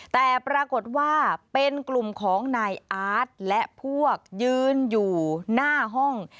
แต่ปรากฏว่าเป็นกลุ่มของนายอาร์ตและพวกยืนอยู่หน้าห้อง